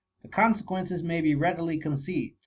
The con« sequences may be readily conceived.